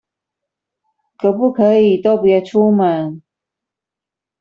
可不可以都別出門